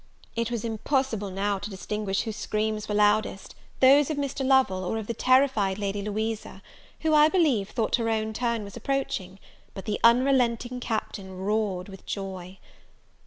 It was impossible now to distinguish whose screams were loudest, those of Mr. Lovel, or of the terrified Lady Louisa, who I believe, thought her own turn was approaching: but the unrelenting Captain roared with joy.